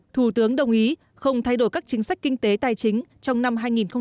thủ tướng đồng ý không thay đổi các chính sách kinh tế tài chính trong năm hai nghìn hai mươi